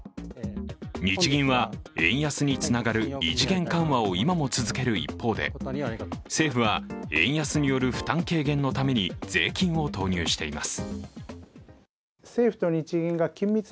日銀は円安につながる異次元緩和を今も続ける一方で政府は円安による負担軽減のために税金を投入しています。